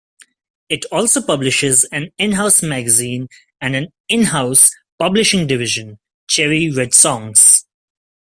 It also publishes an in-house magazine and an 'in-house' publishing division, 'Cherry Red Songs'.